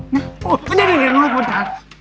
น้องท่านผู้ชาย